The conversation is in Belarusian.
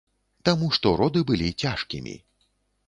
Таму што роды былі цяжкімі.